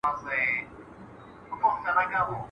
جادوګر وي غولولي یې غازیان وي ..